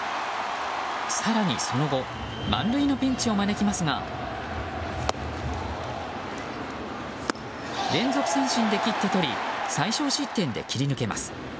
更にその後満塁のピンチを招きますが連続三振で切って取り最少失点で切り抜けます。